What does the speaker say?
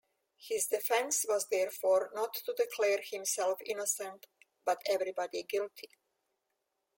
His defence was therefore not to declare himself innocent, but everybody guilty.